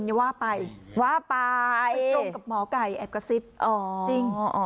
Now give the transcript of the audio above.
อย่าว่าไปว่าไปตรงกับหมอไก่แอบกระซิบอ๋อจริง